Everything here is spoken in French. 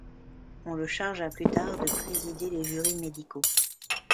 On le chargea plus tard de présider les jurys médicaux.